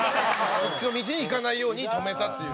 そっちの道に行かないように止めたっていう。